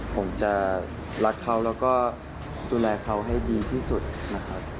ผมจะรักเขาแล้วก็ดูแลเขาให้ดีที่สุดนะครับ